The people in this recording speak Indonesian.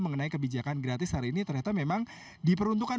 mengenai kebijakan gratis hari ini ternyata memang diperuntukkan